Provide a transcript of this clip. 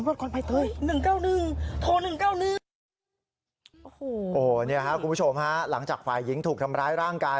โหนี่ฮะคุณผู้ชมฮะหลังจากฝ่ายิ้งถูกทำร้ายร่างกาย